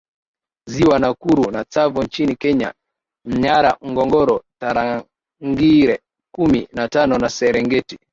Ziwa Nakuru na Tsavo nchini Kenya Manyara Ngorongoro Tarangire kumi na tano na Serengeti